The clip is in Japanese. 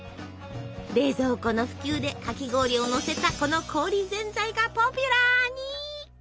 冷蔵庫の普及でかき氷をのせたこの氷ぜんざいがポピュラーに。